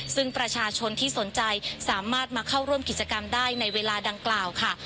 ซึ่งประชาชนที่สนใจสามารถมาเข้าร่วมกิจกรรมได้ในเวลาดังกล่าวค่ะ